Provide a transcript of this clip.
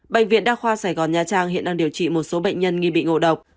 bệnh viện đa khoa sài gòn nha trang hiện đang điều trị một số bệnh nhân nghi bị ngộ độc